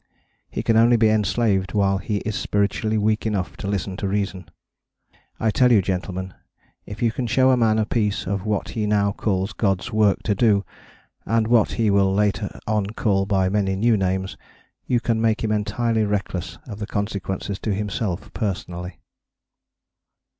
He can only be enslaved while he is spiritually weak enough to listen to reason. I tell you, gentlemen, if you can show a man a piece of what he now calls God's work to do, and what he will later on call by many new names, you can make him entirely reckless of the consequences to himself personally....